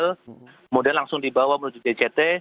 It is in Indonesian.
kemudian langsung dibawa menuju dct